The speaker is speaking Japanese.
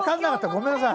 ごめんなさい。